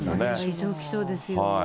異常気象ですよ。